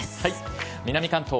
南関東。